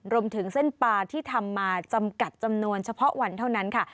รวมถึงเส้นปลาที่ทำมาจำกัดจำนวนเฉพาะวันเท่านั้นค่ะ